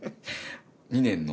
２年の？